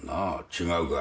違うか。